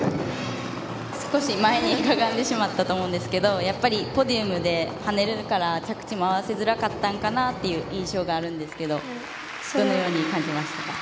少し前にかがんでしまったと思いますがやっぱりポディウムで跳ねるから着地も合わせづらかったのかなという印象があるんですけどどのように感じましたか。